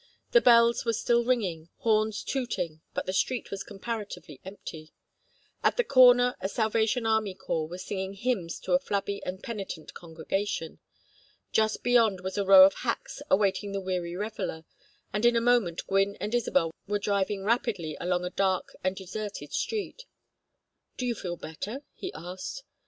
The bells were still ringing, horns tooting, but the street was comparatively empty. At the corner a Salvation Army corps was singing hymns to a flabby and penitent congregation. Just beyond was a row of hacks awaiting the weary reveller, and in a moment Gwynne and Isabel were driving rapidly along a dark and deserted street. "Do you feel better?" he asked.